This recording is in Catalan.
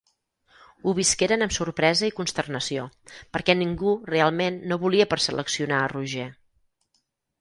Ho visqueren amb sorpresa i consternació, perquè ningú realment no volia per seleccionar a Roger.